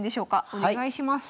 お願いします。